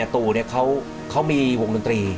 ตู่เขามีวงดนตรี